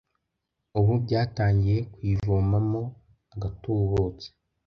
ubu byatangiye kuyivomamo agatubutse,